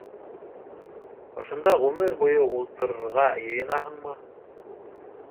Ошонда ғүмер буйы ултырырға йыйынаһыңмы?